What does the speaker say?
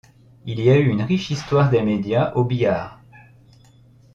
Il y a eu une riche histoire des médias au Bihar.